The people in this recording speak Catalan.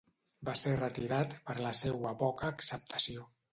Va ser retirat per la seua poca acceptació.